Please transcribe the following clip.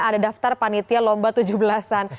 ada daftar panitia lomba tujuh belas an